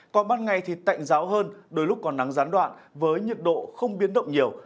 còn ban ngày thì tạnh giáo hơn đôi lúc còn nắng gián đoạn với nhiệt độ không biến động nhiều